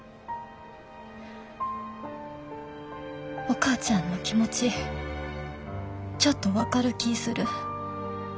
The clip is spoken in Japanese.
お母ちゃんの気持ちちょっと分かる気ぃする。